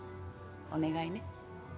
お願いね。